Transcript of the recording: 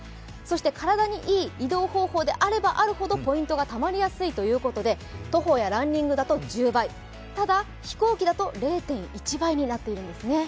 体にいい移動方法であればあるほどポイントがたまりやすいということで徒歩やランニングだと１０倍、ただ飛行機だと０．１倍になっているんですね。